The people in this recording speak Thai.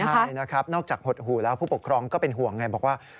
ใช่นะครับนอกจากหดหู่แล้วผู้ปกครองก็เป็นห่วงไงบอกว่า